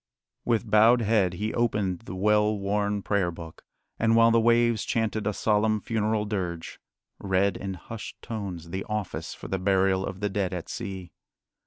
With bowed head he opened the well worn Prayer Book, and, while the waves chanted a solemn funeral dirge, read in hushed tones the office for the burial of the dead at sea.